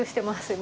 今。